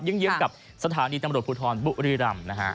ยึ้งกับสถานีตำรวจพุทธรณ์บุริรัมณ์นะฮะ